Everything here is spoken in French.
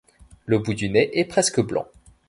Le bout du nez est presque blanc.